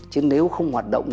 chứ nếu không hoạt động